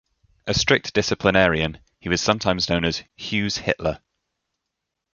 A strict disciplinarian, he was sometimes known as 'Hughes-Hitler'.